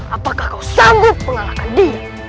apakah kau sanggup mengalahkan dia